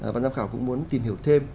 văn giám khảo cũng muốn tìm hiểu thêm